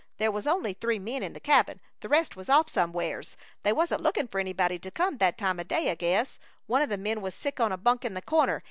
There was only three men in the cabin; the rest was off somewheres. They wasn't looking for anybody to come that time o' day, I guess. One of the men was sick on a bunk in the corner.